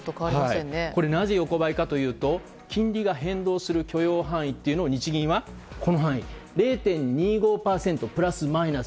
なぜ横ばいかというと金利が変動する許容範囲を日銀はこの範囲０．２５％プラスマイナス